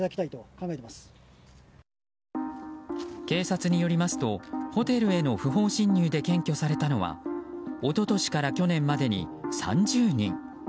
警察によりますとホテルへの不法侵入で検挙されたのは一昨年から去年までに３０人。